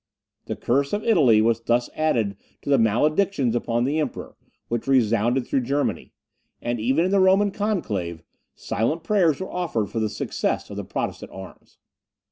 The curse of Italy was thus added to the maledictions upon the Emperor which resounded through Germany; and even in the Roman Conclave, silent prayers were offered for the success of the Protestant arms.